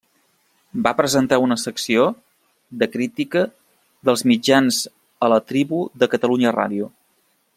Va presentar una secció de crítica dels mitjans a La tribu de Catalunya Ràdio.